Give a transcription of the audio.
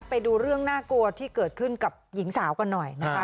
ไปดูเรื่องน่ากลัวที่เกิดขึ้นกับหญิงสาวกันหน่อยนะคะ